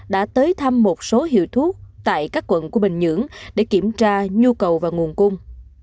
đã tới thăm một số hiệu thuốc tại các quận của bình nhưỡng để kiểm tra nhu cầu và nguồn cung